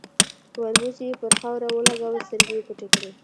، وربوز يې پر خاورو ولګاوه، سترګې يې پټې کړې.